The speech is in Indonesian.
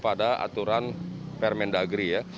ada aturan permendagri ya